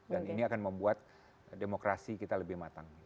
dan ini akan membuat demokrasi kita lebih matang